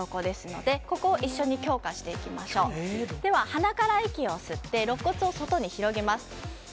では、鼻から息を吸って肋骨を外に広げます。